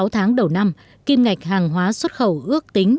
sáu tháng đầu năm kim ngạch hàng hóa xuất khẩu ước tính